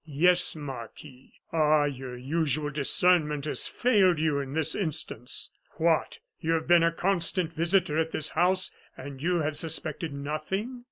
yes, Marquis. Ah! your usual discernment has failed you in this instance. What, you have been a constant visitor at this house, and you have suspected nothing?